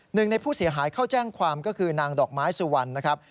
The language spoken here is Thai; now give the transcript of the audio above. หนึ่งในผู้เสียหายเข้าแจ้งความก็คือนางดอกไม้สุวรรณนะครับ